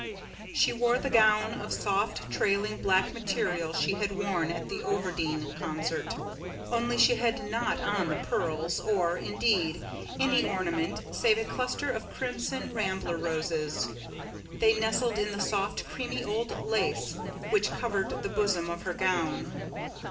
She wore the gown of soft trailing black material she had worn at the Overdene concert, only she had not on the pearls or, indeed, any ornament save a cluster of crimson rambler roses. They nestled in the soft, creamy old lace which covered the bosom of her gown.